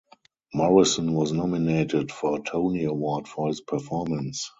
Morrison was nominated for a Tony Award for his performance.